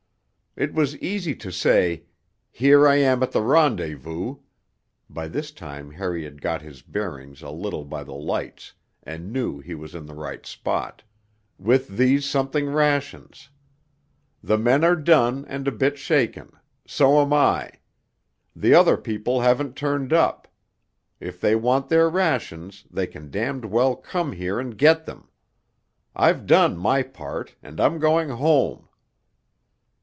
It was easy to say, 'Here I am at the rendezvous' (by this time Harry had got his bearings a little by the lights, and knew he was in the right spot) 'with these something rations; the men are done and a bit shaken; so am I; the other people haven't turned up; if they want their rations they can damned well come here and get them; I've done my part, and I'm going home.'